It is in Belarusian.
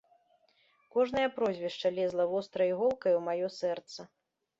Кожнае прозвішча лезла вострай іголкай у маё сэрца.